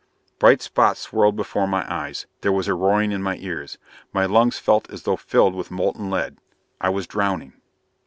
Bright spots swirled before my eyes. There was a roaring in my ears. My lungs felt as though filled with molten lead. I was drowning....